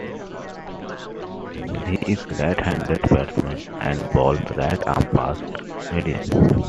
He is a right-handed batsman, and bowls right-arm fast-medium.